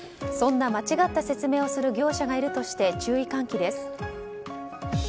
そんな間違った説明をする業者がいるとして注意喚起です。